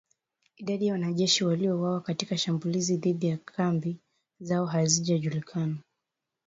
Idadi ya wanajeshi waliouawa katika shambulizi dhidi ya kambi zao haijajulikana